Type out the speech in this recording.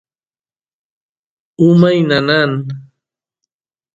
umay nanan